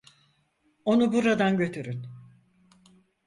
Onu buradan götürün.